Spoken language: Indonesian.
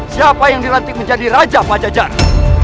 siapa yang dirantik menjadi raja pajajara